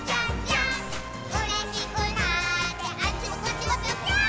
「うれしくなってあっちもこっちもぴょぴょーん」